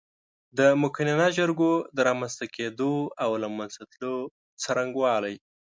د مقننه جرګو د رامنځ ته کېدو او له منځه تللو څرنګوالی